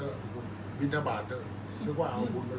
อันไหนที่มันไม่จริงแล้วอาจารย์อยากพูด